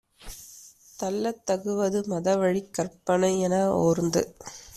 தள்ளத்தகுவது மதவழிக் கற்பனையென ஓர்ந்து